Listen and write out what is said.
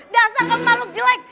dasar kamu makhluk jelek